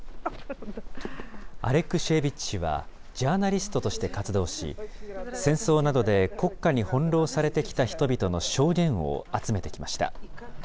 アレクシェービッチ氏は、ジャーナリストとして活動し、戦争などで国家にほんろうされてきた人々の証言を集めてきました。